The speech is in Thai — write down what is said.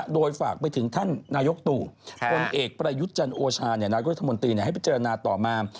โดยฝากไปถึงท่านนายกตู่คนเอกประยุทธ์จันทร์โอชานายกุธมนตร์ต่อมา